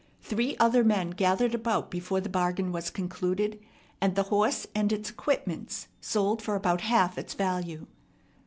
Three other men gathered about before the bargain was concluded, and the horse and its equipments sold for about half its value.